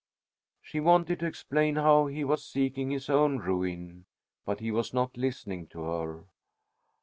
She wanted to explain how he was seeking his own ruin, but he was not listening to her.